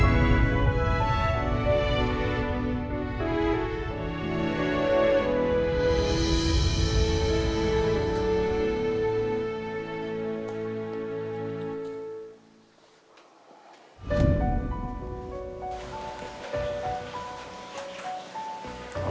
mari kita berceb claw